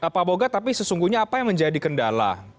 pak boga tapi sesungguhnya apa yang menjadi kendala